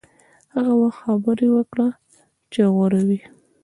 هغه وخت خبرې وکړه چې غوره وي.